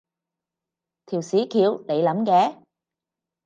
條屎橋你諗嘅？